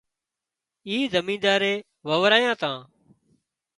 اِي زمينۮارئي وورايان تان